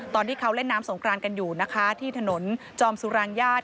ตอนที่เขาเล่นน้ำสงครานกันอยู่นะคะที่ถนนจอมสุรางญาติ